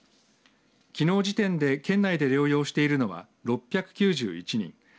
きのう時点で県内で療養しているのは６９１人。